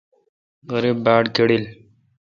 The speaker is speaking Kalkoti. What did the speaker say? غریب باڑ کڑل۔